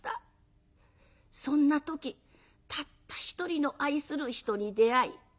そんな時たった一人の愛する人に出会い